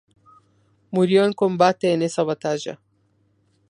Murió en combate en esa batalla.